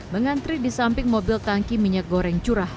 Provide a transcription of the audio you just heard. mengantri di samping mobil tangki minyak goreng curah